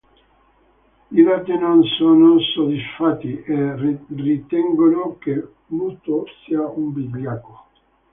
I Date non sono soddisfatti, e ritengono che Muto sia un vigliacco.